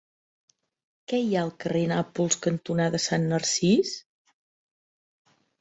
Què hi ha al carrer Nàpols cantonada Sant Narcís?